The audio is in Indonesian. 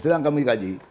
sedang kami kaji